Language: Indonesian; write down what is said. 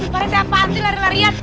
pak rete apaan sih lari larian